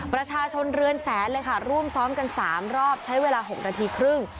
ประชาชนเรือนแสนเลยค่ะร่วมซ้อมกัน๓รอบใช้เวลา๖นาทีครึ่ง